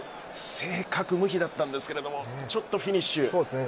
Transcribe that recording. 正確無比だったんですけれどもちょっとフィニッシュ。